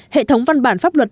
hệ thống văn bản pháp luật